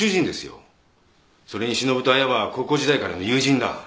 それにしのぶと亜矢は高校時代からの友人だ。